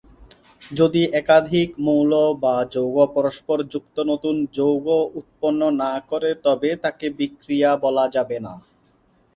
যদি একাধিক মৌল বা যৌগ পরস্পর যুক্ত নতুন যৌগ উৎপন্ন না-করে তবে তাকে বিক্রিয়া বলা যাবে না।